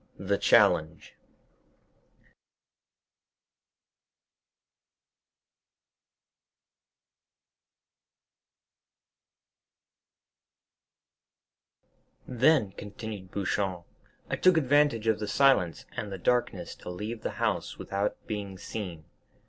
The Challenge Then," continued Beauchamp, "I took advantage of the silence and the darkness to leave the house without being seen.